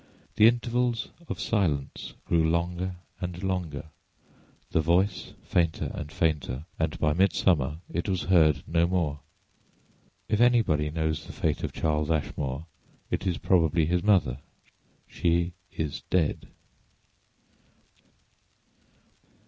The intervals of silence grew longer and longer, the voice fainter and farther, and by midsummer it was heard no more. If anybody knows the fate of Charles Ashmore it is probably his mother. She is dead.